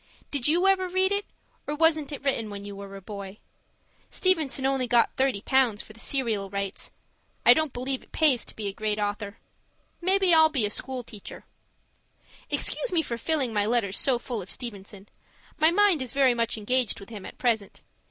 Did you ever read it, or wasn't it written when you were a boy? Stevenson only got thirty pounds for the serial rights I don't believe it pays to be a great author. Maybe I'll be a school teacher. Excuse me for filling my letters so full of Stevenson; my mind is very much engaged with him at present.